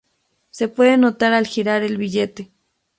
Se puede notar al girar el billete.